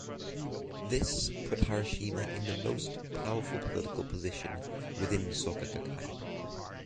This put Harashima in the most powerful political position within Soka Gakkai.